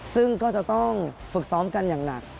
ซึ่งก็จะต้องฝึกซ้อมกันอย่างหนัก